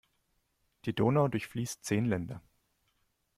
Die Donau durchfließt zehn Länder.